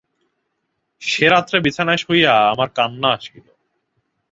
সে রাত্রে বিছানায় শুইয়া আমার কান্না আসিল।